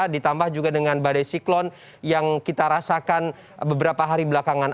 ditambah juga dengan badai siklon yang kita rasakan beberapa hari belakangan